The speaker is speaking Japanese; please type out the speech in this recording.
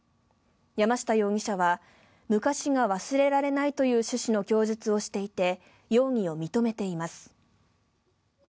山下容疑者は昔が忘れられないという趣旨の供述をしていて容疑を認めています。